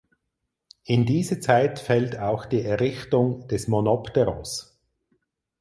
In diese Zeit fällt auch die Errichtung des Monopteros.